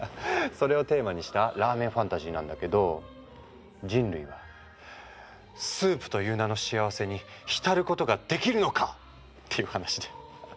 それをテーマにしたラーメンファンタジーなんだけど人類はスープという名の幸せに浸ることができるのか？っていう話で。